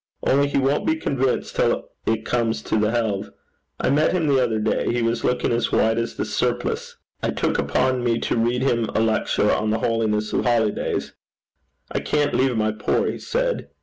Only he won't be convinced till it comes to the helve. I met him the other day; he was looking as white as his surplice. I took upon me to read him a lecture on the holiness of holidays. "I can't leave my poor," he said.